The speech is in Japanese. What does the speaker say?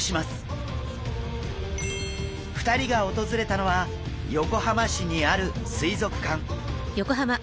２人が訪れたのは横浜市にある水族館。